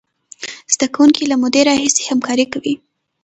زده کوونکي له مودې راهیسې همکاري کوي.